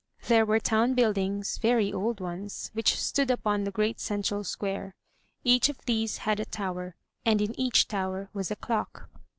There were town buildings, very old ones, which stood upon the great central square. Each of these had a tower, and in each tower was a clock.